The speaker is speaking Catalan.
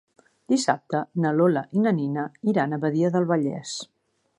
Dissabte na Lola i na Nina iran a Badia del Vallès.